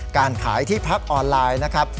การขายที่พักออนไลน์นะครับ